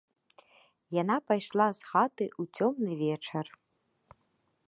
Яна пайшла з хаты ў цёмны вечар.